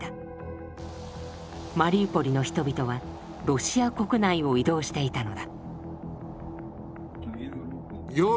マリウポリの人々はロシア国内を移動していたのだ。